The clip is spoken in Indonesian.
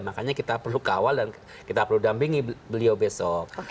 makanya kita perlu kawal dan kita perlu dampingi beliau besok